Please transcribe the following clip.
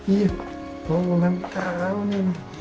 iya mau ulang tahun ini